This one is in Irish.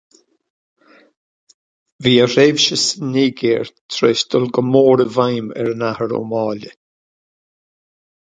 Bhí a thréimhse sa Nigéir tar éis dul go mór i bhfeidhm ar an Athair Ó Máille.